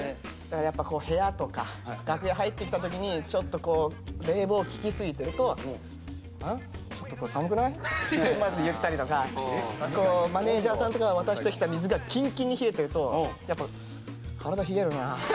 やっぱ部屋とか楽屋入ってきた時にちょっとこう冷房ききすぎてると「うん？ちょっとこれ寒くない？」ってまず言ったりとかマネージャーさんとかが渡してきた水がキンキンに冷えてると「体冷えるな」。